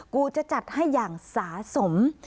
กูจะจัดให้อย่างสะสม